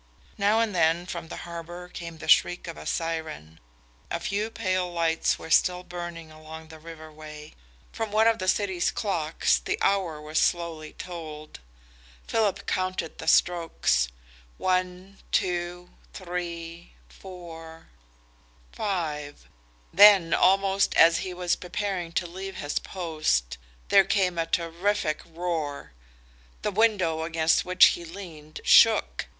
Now and then from the harbour came the shriek of a siren. A few pale lights were still burning along the river way. From one of the city clocks the hour was slowly tolled. Philip counted the strokes one, two, three, four, five. Then, almost as he was preparing to leave his post, there came a terrific roar. The window against which he leaned shook.